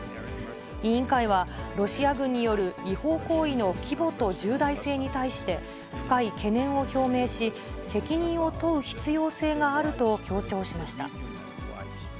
委員会は、ロシア軍による違法行為の規模と重大性に対して、深い懸念を表明し、責任を問う必要性があると強調しました。